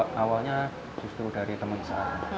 awalnya justru dari teman saya